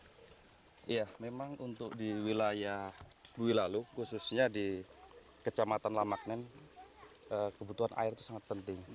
iya memang untuk di wilayah bui lalu khususnya di kecamatan lamaknen kebutuhan air itu sangat penting